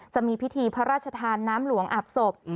จะมีพิธีพระราชทานน้ำหลวงอาบศพ